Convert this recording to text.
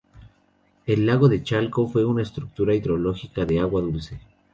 El lago de Chalco fue una estructura hidrológica de agua dulce.